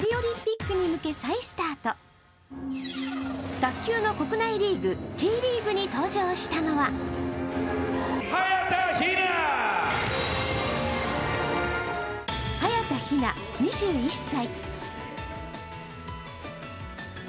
卓球の国内リーグ、Ｔリーグに登場したのは早田ひな２１歳。